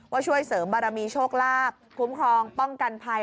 ช่วยเสริมบารมีโชคลาภคุ้มครองป้องกันภัย